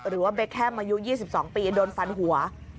หรือว่าเบคแฮมอายุ๒๒ปีโดนฟันหัว